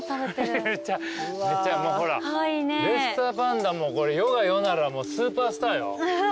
レッサーパンダも世が世ならスーパースターよ。